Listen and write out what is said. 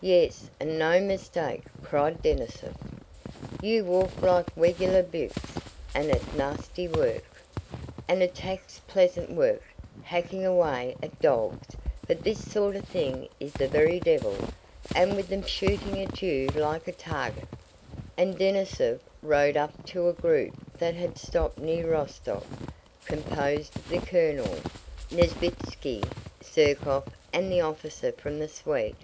"Yes and no mistake!" cried Denísov. "You worked like wegular bwicks and it's nasty work! An attack's pleasant work! Hacking away at the dogs! But this sort of thing is the very devil, with them shooting at you like a target." And Denísov rode up to a group that had stopped near Rostóv, composed of the colonel, Nesvítski, Zherkóv, and the officer from the suite.